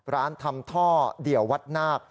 ร้านทำท่อเดี่ยววัดนาค